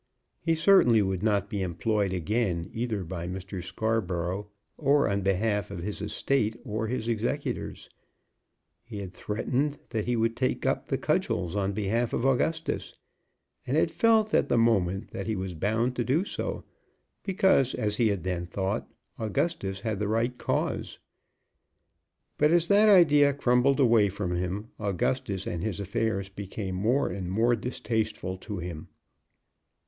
He certainly would not be employed again either by Mr. Scarborough or on behalf of his estate or his executors. He had threatened that he would take up the cudgels on behalf of Augustus, and had felt at the moment that he was bound to do so, because, as he had then thought, Augustus had the right cause. But as that idea crumbled away from him, Augustus and his affairs became more and more distasteful to him.